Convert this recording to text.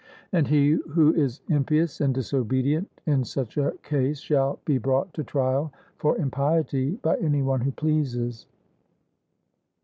And he who is impious and disobedient in such a case shall be brought to trial for impiety by any one who pleases.